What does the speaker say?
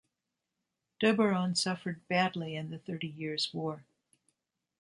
Doberan suffered badly in the Thirty Years' War.